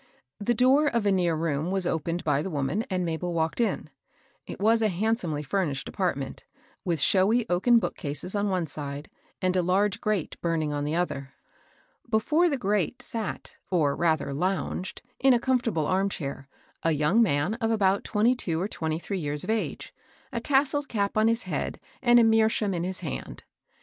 The door of a near room was opened by the woman, and Mabel walked in. It was a handsomely ftimished apartment, with showy oaken bookcases on one side, and a large grate burning on the other. Before the grate sat, or rather lounged, in a comfortable arm chair, a young man of about twenty two or twenty three years of age, a tas selled cap on his head, and a meerschaum in his hand.